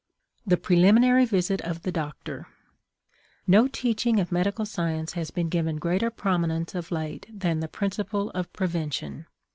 THE PRELIMINARY VISIT OF THE DOCTOR. No teaching of medical science has been given greater prominence of late than the principle of prevention.